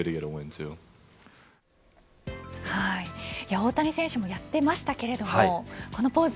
大谷選手もやっていましたけれどもこのポーズ、